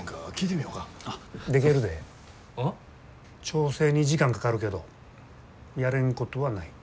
調整に時間かかるけどやれんことはない。